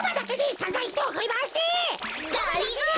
がりぞー！